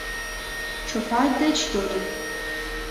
— Чопай деч йодыт.